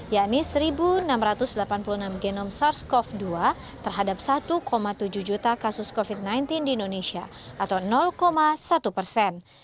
yakni satu enam ratus delapan puluh enam genom sars cov dua terhadap satu tujuh juta kasus covid sembilan belas di indonesia atau satu persen